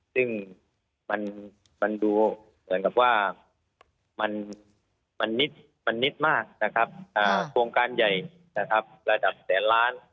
ซึ่งมันนิดมากโครงการใหญ่ระดับแสนล้าน